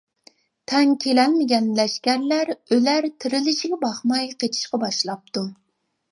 تەڭ كېلەلمىگەن لەشكەرلەر ئۆلەر-تىرىلىشىگە باقماي قېچىشقا باشلاپتۇ.